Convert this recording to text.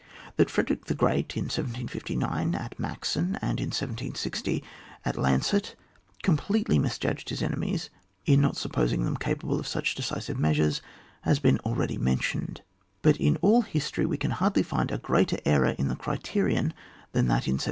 That Frederick the Great, in 1759, at Maxen, and in 1760, at Landshut, completely misjudged his enemies in not supposing them capable of such decisive measures has been al ready mentioned. But in all history we can hardly find a greater error in the criterion than that in 1792.